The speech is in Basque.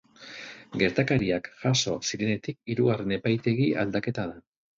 Gertakariak jazo zirenetik hirugarren epaitegi aldaketa da.